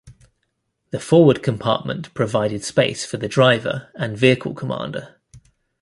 The forward compartment provided space for the driver and vehicle commander.